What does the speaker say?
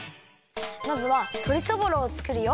まずはとりそぼろをつくるよ。